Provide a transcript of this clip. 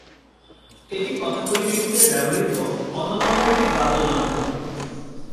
এটি কথাকলি নৃত্যে ব্যবহৃত অন্যতম একটি বাদ্যযন্ত্র।